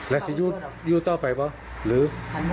และมันจะยูดยูต้อไปเปล่าหรือ